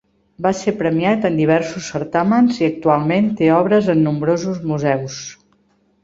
Va ser premiat en diversos certàmens i actualment té obres en nombrosos museus.